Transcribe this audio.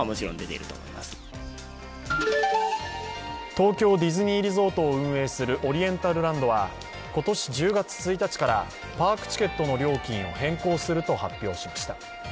東京ディズニーリゾートを運営するオリエンタルランドは、今年１０月１日から、パークチケットの料金を変更すると発表しました。